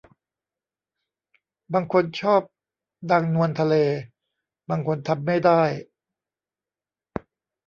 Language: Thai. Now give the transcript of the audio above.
บางคนชอบนางนวลทะเลบางคนทำไม่ได้